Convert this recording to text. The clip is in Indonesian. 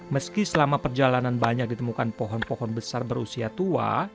meski selama perjalanan banyak ditemukan pohon pohon besar berusia tua